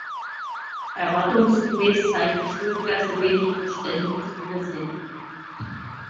Erwartungsgemäß zeigt die Schulklasse wenig Verständnis für das Handyverbot.